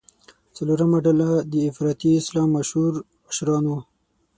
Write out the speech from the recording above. څلورمه ډله د افراطي اسلام مشهور مشران وو.